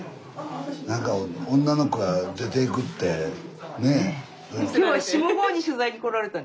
何か女の子が出ていくってねえ。